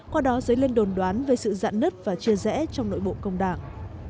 qua đó giới lên đồn đoán về sự giãn nứt và chia rẽ trong nội bộ công đảng